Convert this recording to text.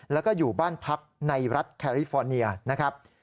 แล้วก็อยู่บ้านพักในรัฐแคริฟอร์เนียนะครับ